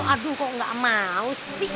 aduh kok gak mau sih